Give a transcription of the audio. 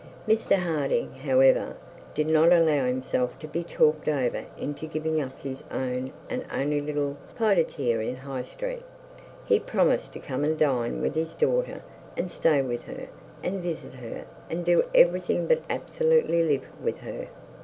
Mr Harding, however, did not allow himself to be talked over into giving up his own and only little pied a terre in the High Street. He promised to come and dine with his daughter, and stay with her, and visit her, and do everything but absolutely live with her.